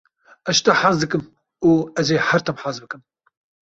Ez ji te hez dikim û ez ê her tim hez bikim.